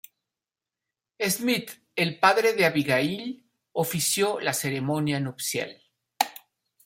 Smith, el padre de Abigail, ofició la ceremonia nupcial.